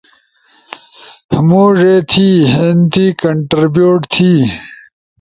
موڙے تھی، اینتی کنٹربیوٹ تھی۔